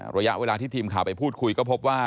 ระยะเวลาที่ทีมข่าวไปพูดคุยก็พบว่า